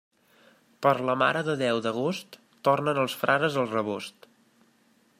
Per la Mare de Déu d'agost, tornen els frares al rebost.